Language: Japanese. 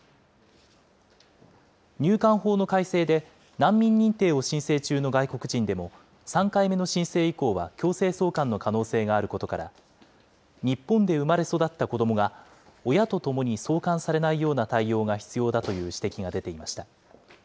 入管法の改正で、難民認定を申請中の外国人でも、３回目の申請以降は強制送還の可能性があることから、日本で生まれ育った子どもが、親と共に送還されないような対応が必要だという指摘が出ていました。